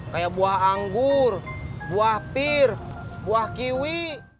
kayak buah anggur buah pir buah kiwi